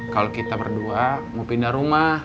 kalau kita berdua mau pindah rumah